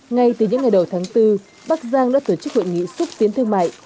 ngay từ những ngày đầu tháng bốn bắc giang đã tổ chức hội nghị xúc tiến thương mại